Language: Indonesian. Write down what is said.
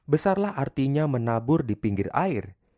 besarlah artinya menabur di pinggir air